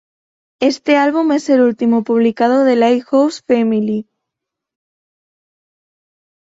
Éste álbum es el último publicado de Lighthouse Family.